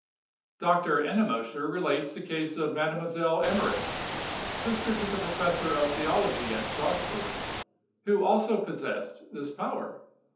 Dr. Ennemoser relates the case of a Mademoiselle Emmerich, sister to the professor of theology at Strasburg, who also possessed this power.